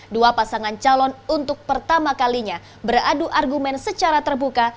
dua pasangan calon untuk pertama kalinya beradu argumen secara terbuka